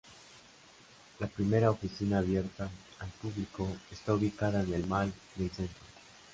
La primera oficina abierta al público está ubicada en el Mall del Centro.